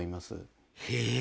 へえ！